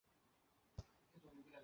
মীরা বললেন, কী, মিথ্যা বললাম?